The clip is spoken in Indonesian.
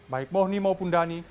baik mohni maupun dhani